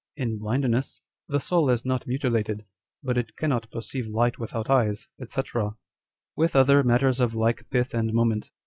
In blindness, the soul is not mutilated, but it cannot perceive light without eyes, &c." with other matters of like pith and moment.